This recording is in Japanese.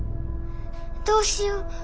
どうしよう。